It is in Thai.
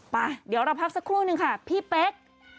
ไปเดี๋ยวเราพักสักครู่นึงค่ะพี่เป๊ก